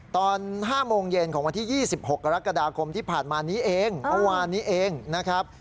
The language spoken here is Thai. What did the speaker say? ตอน๕โมงเย็นของวันที่๒๖กรกฎาคมที่ผ่านมานี้เองเมื่อวานนี้เองนะครับ